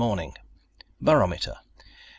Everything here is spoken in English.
morning. Barometer, 29.